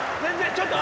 ちょっと！